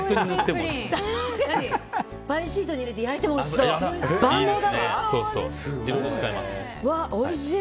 パイシートに入れて焼いてもおいしそう！